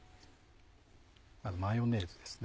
マヨネーズですね。